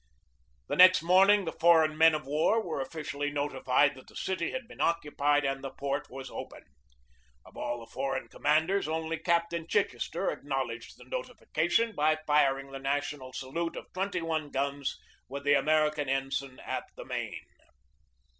The next morning the foreign men of war were officially notified that the city had been occupied and the port was open. Of all the foreign commanders, only Captain Chichester acknowledged the notification by firing the national salute of twenty one guns with the American ensign at the main.